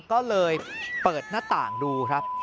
ก็เลยเปิดหน้าต่างดูครับ